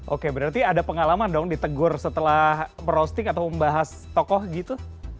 oke berarti ada pengalaman dong ditegur setelah merosting atau membahas tokoh gitu